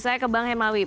saya ke bang hemawi